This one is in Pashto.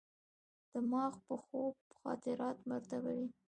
دماغ په خوب خاطرات مرتبوي.